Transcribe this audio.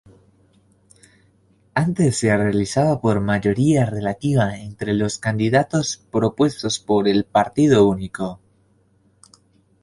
Antes se realizaba por mayoría relativa entre los candidatos propuestos por el partido único.